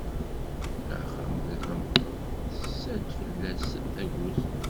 Axxam bla tameṭṭut tessa-d fell-as tagut.